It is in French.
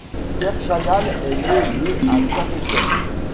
Pierre Chanal est né le à Saint-Étienne.